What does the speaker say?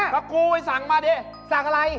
กับกูสั่งมาเถียงซั่งอะไร